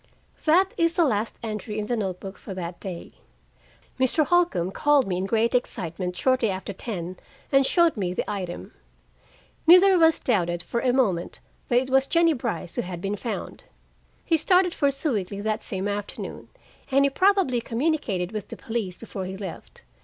That is the last entry in the note book for that day. Mr. Holcombe called me in great excitement shortly after ten and showed me the item. Neither of us doubted for a moment that it was Jennie Brice who had been found. He started for Sewickley that same afternoon, and he probably communicated with the police before he left.